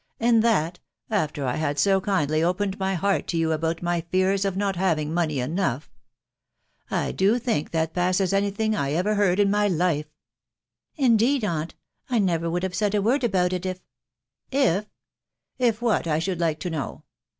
. And that, after I had ao MaHj opened my heart to you about my fears of not fearing enough !.... I do think that paaaes any thing I ever in my life!" " Indeed, aunt, I new would have aaidja rad if " "If? if what, I should like to know